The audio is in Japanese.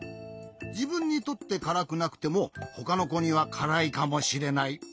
じぶんにとってからくなくてもほかのこにはからいかもしれない。